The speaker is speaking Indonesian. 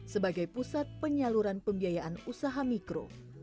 sebagai pusat penyaluran pembiayaan usaha mikro